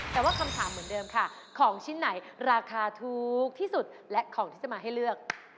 แต่ว่าคำถามเหมือนเดิมค่ะของชิ้นไหนราคาถูกที่สุดและของที่จะมาให้เลือก